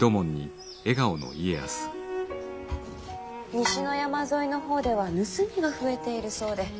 西の山沿いの方では盗みが増えているそうで。